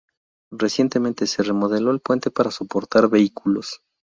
Recientemente, se remodeló el puente para soportar vehículos.